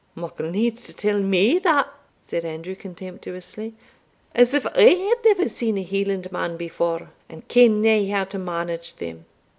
"Muckle needs to tell me that," said Andrew, contemptuously, "as if I had never seen a Hielandman before, and ken'd nae how to manage them.